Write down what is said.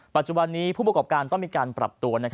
ปัจจุบันนี้ผู้ประกอบการต้องมีการปรับตัว